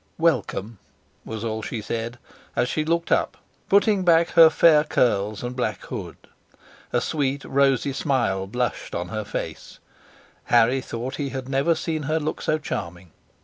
"Welcome," was all she said, as she looked up, putting back her fair curls and black hood. A sweet rosy smile blushed on her face; Harry thought he had never seen her look so charming.